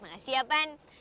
makasih ya pam